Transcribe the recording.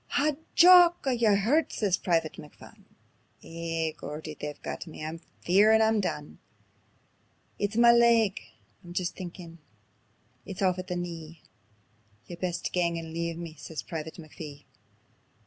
"Haw, Jock! Are ye hurtit?" says Private McPhun. "Ay, Geordie, they've got me; I'm fearin' I'm done. It's ma leg; I'm jist thinkin' it's aff at the knee; Ye'd best gang and leave me," says Private McPhee.